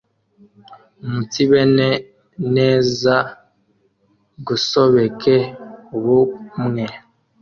umunsibene neze, gusobeke ubumwe,